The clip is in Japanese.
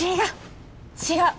違う！